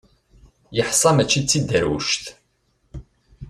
Yeḥṣa mačči d tiderwect.